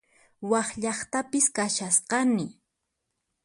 Wak llaqtapis kashasqani